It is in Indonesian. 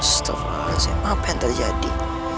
astagfirullahaladzim apa yang terjadi